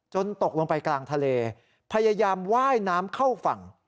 ตกลงไปกลางทะเลพยายามไหว้น้ำเข้าฝั่ง